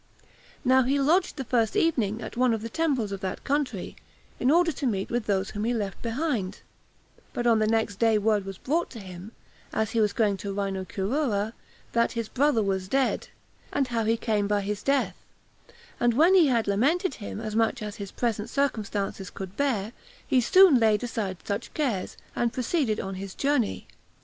Now he lodged the first evening at one of the temples of that country, in order to meet with those whom he left behind; but on the next day word was brought him, as he was going to Rhinocurura, that his brother was dead, and how he came by his death; and when he had lamented him as much as his present circumstances could bear, he soon laid aside such cares, and proceeded on his journey.